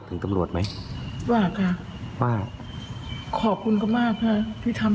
ให้ได้ไว